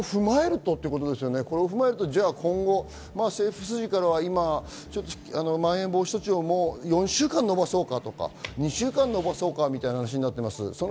これを踏まえると、今後、政府筋からはまん延防止措置と４週間延ばそうかとか、２週間延ばそうかという話なっています。